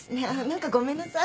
何かごめんなさい。